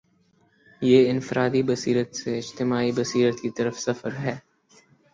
یہ انفرادی بصیرت سے اجتماعی بصیرت کی طرف سفر ہے۔